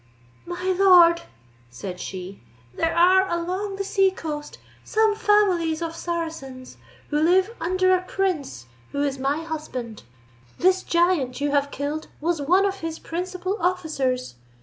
"My lord," said she, "there are along the sea coast some families of Saracens, who live under a prince who is my husband; this giant you have killed was one of his principal officers.